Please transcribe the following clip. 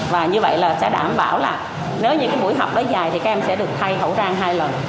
và như vậy là sẽ đảm bảo là nếu như cái buổi học đó dài thì các em sẽ được thay khẩu trang hai lần